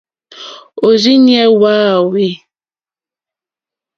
Òrzìɲɛ́ hwá áhwè.